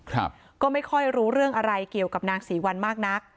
ครับก็ไม่ค่อยรู้เรื่องอะไรเกี่ยวกับนางศรีวัลมากนัก